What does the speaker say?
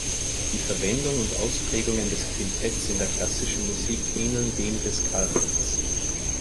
Die Verwendung und Ausprägungen des Quintetts in der klassischen Musik ähneln dem des Quartetts.